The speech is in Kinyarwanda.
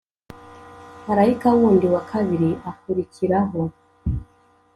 Marayika wundi wa kabiri akurikiraho